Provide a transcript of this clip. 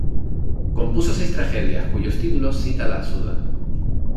Compuso seis tragedias, cuyos títulos cita la "Suda".